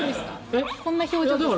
こんな表情ですか？